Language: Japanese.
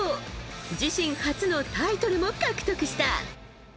自身初のタイトルも獲得した。